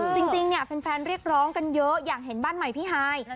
จริงเนี่ยแฟนเรียกร้องกันเยอะอยากเห็นบ้านใหม่พี่ฮาย